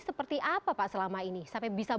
seperti apa pak selama ini sampai bisa